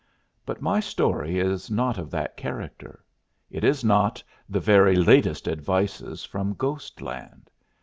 But my story is not of that character. It is not 'the very latest advices' from Ghostland.